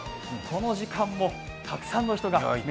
この時間もたくさんの人が。